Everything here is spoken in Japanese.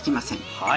はい。